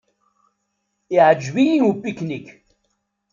Iɛǧeb-iyi upiknik.